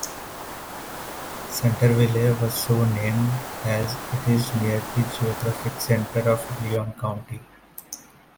Centerville was so named as it is near the geographic center of Leon County.